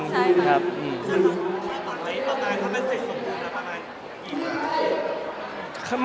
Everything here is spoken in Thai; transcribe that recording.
ออกได้ทำให้สิ่งสมบูรณ์เมื่อกี้พี่